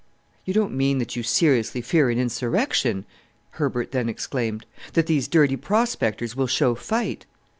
"You don't mean that you seriously fear an insurrection," Herbert then exclaimed; "that these dirty prospectors will show fight?"